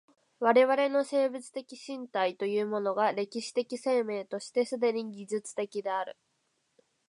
我々の生物的身体というものが歴史的生命として既に技術的である。